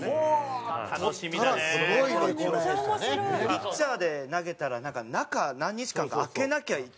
ピッチャーで投げたらなんか中何日間か空けなきゃいけない。